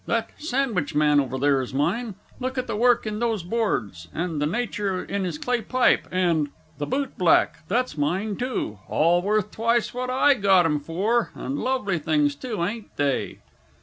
That "Sandwich Man" over there is mine look at the work in those boards, and the nature in his clay pipe; and "The Boot Black," that's mine, too all worth twice what I got 'em for and lovely things, too, ain't they?